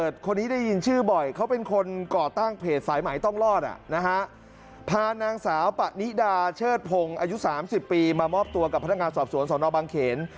เทศพงศ์อายุ๓๐ปีมามอบตัวกับพนักงานสอบสวนสนบังเขณฑ์